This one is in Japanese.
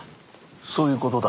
そういうことだ。